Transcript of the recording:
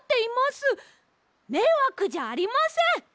めいわくじゃありません！